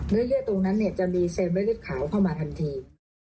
เนื้อเลือดตรงนั้นจะมีเซลเบอร์ฤทธิ์ขาวเข้ามาทันที